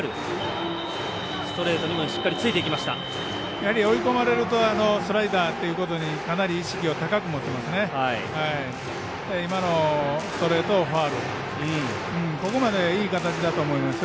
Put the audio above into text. やはり追い込まれるとスライダーにかなり意識を高く持っていますね。